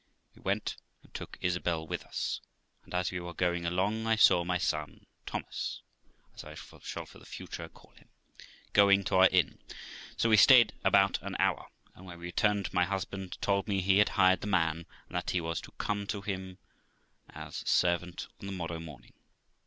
We went, and took Isabel with us, and as we were going along I saw my son Thomas (as I shall for the future call him) going to our inn; so we stayed out about an hour, and when we returned my husband told me he had hired the man, and that he was to come to him as a servant on the morrow morning.